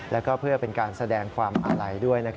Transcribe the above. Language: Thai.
แล้วก็เพื่อเป็นการแสดงความอาลัยด้วย